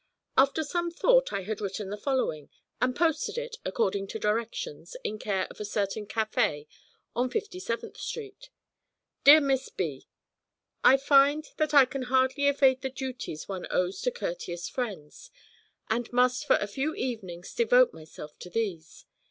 After some thought I had written the following, and posted it according to directions, in care of a certain café on Fifty seventh Street: 'DEAR MISS B , 'I find that I can hardly evade the duties one owes to courteous friends, and must for a few evenings devote myself to these.